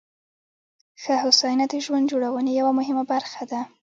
ښه هوساینه د ژوند جوړونې یوه مهمه برخه ده.